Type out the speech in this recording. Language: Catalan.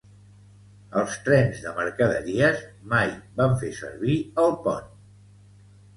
Els trens de mercaderies mai van fer servir el pont.